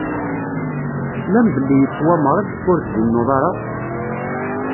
Teslam belli yettwameṛ-d: Ur tzennuḍ ara!